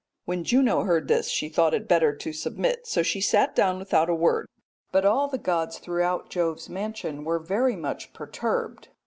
"When Juno heard this she thought it better to submit, so she sat down without a word, but all the gods throughout Jove's mansion were very much perturbed.